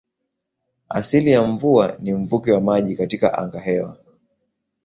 Asili ya mvua ni mvuke wa maji katika angahewa.